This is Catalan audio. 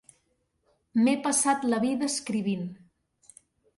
M'he passat la vida escrivint.